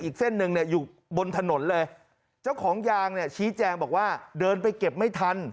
อีกเส้นหนึ่งเนี่ยอยู่บนถนนเลยเจ้าของยางเนี่ยชี้แจงบอกว่าเดินไปเก็บไม่ทัน